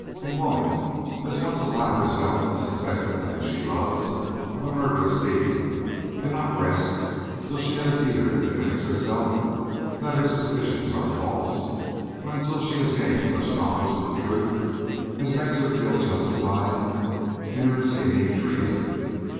A woman who has once allowed herself to suspect the man she loves of a murderous deed, cannot rest till she has either convinced herself that her suspicions are false, or until she has gained such knowledge of the truth as makes her feel justified in her seeming treason.